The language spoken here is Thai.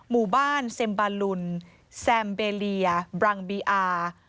หมู่บ้านเซมบาลุนแซมเบเลียบรังบีอาร์